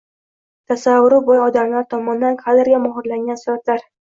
Tasavvuri boy odamlar tomonidan kadrga muhrlangan suratlar